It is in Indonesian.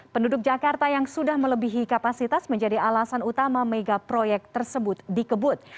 penduduk jakarta yang sudah melebihi kapasitas menjadi alasan utama mega proyek tersebut dikebut